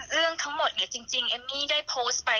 เรื่องทั้งหมดเนี่ยจริงเอมมี่ได้โพสต์ไป